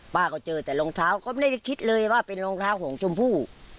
ป้าก็เจอแต่รองเท้าก็ไม่ได้คิดเลยว่าเป็นรองเท้าของชมพู่